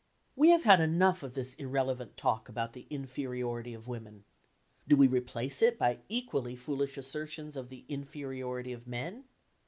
We have had enough of this irrelevant talk about the inferiority of women. Do we replace it by equally foolish assertions of the inferiority of men?